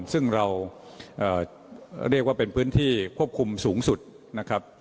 ซึ่งเราเรียกว่าเป็นพื้นที่ควบคุมสูงสุดนะครับ